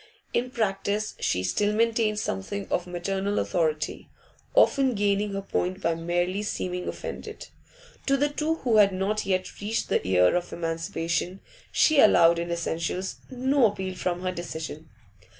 In practice she still maintained something of maternal authority, often gaining her point by merely seeming offended. To the two who had not yet reached the year of emancipation she allowed, in essentials, no appeal from her decision.